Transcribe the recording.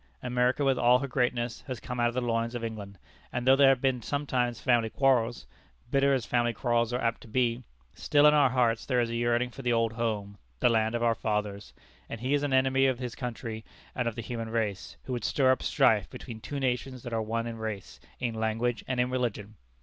America with all her greatness has come out of the loins of England; and though there have been sometimes family quarrels bitter as family quarrels are apt to be still in our hearts there is a yearning for the old home, the land of our fathers; and he is an enemy of his country and of the human race, who would stir up strife between two nations that are one in race, in language and in religion.